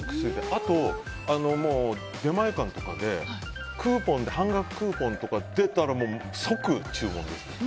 あと、出前館とかで半額クーポンとか出たら即注文です。